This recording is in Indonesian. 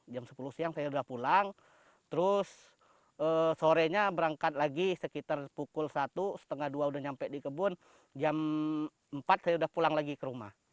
jam sepuluh siang saya sudah pulang terus sorenya berangkat lagi sekitar pukul satu setengah dua udah nyampe di kebun jam empat saya udah pulang lagi ke rumah